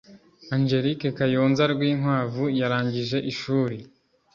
angelique kayonza rwinkwavu yarangije ishuri